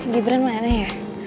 diberen mana ya